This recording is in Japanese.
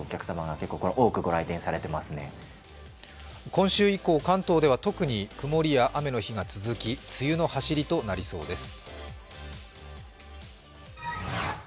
今週以降、関東では特に曇りや雨の日が続き、梅雨のはしりとなりそうです。